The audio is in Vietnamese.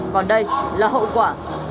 còn đây là hậu quả